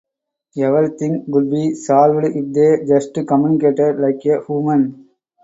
Everything could be solved if they just communicated like a human.